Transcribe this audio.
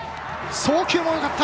送球もよかった。